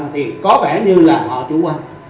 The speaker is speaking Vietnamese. thì có vẻ như là họ chủ quan